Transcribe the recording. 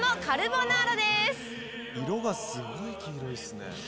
色がすごい黄色ですね。